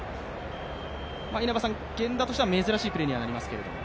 源田としては珍しいプレーになりますけど。